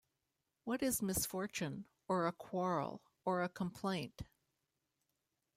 What is misfortune, or a quarrel, or a complaint?